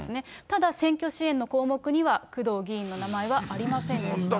ただ、選挙支援の項目には工藤議員の名前はありませんでした。